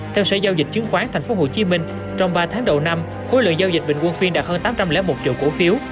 theo sở giao dịch chứng khoán tp hcm trong ba tháng đầu năm khối lượng giao dịch bình quân phiên đạt hơn tám trăm linh một triệu cổ phiếu